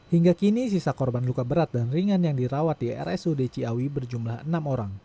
hingga kini sisa korban luka berat dan ringan yang dirawat di rsud ciawi berjumlah enam orang